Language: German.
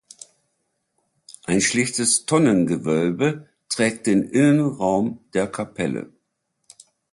Ein schlichtes Tonnengewölbe trägt den Innenraum der Kapelle.